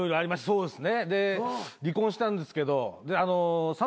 そうです。